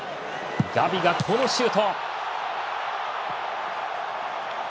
ガビが、このシュート。